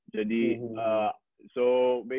jadi pada dua tahun ini